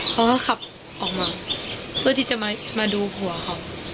เขาก็ขับออกมาเพื่อที่จะมาดูผัวเขา